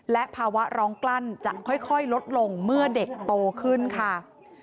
และภาวะร้องกลั้นจะค่อยลดลงเมื่อเด็กโตขึ้นค่ะ